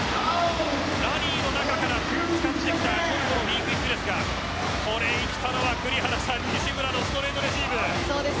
ラリーの中から使ってきたＢクイックですが生きたのは栗原のストレートレシーブ。